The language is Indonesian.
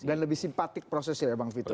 dan lebih simpatik prosesnya ya bang vito ya